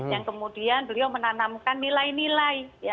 yang kemudian beliau menanamkan nilai nilai